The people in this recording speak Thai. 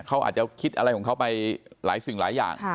เขาอาจจะคิดอะไรของเขาไปหลายสิ่งหลายอย่าง